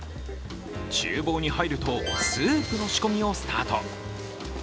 ちゅう房に入ると、スープの仕込みをスタート。